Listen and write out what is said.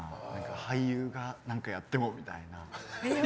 俳優が何かやってもみたいな。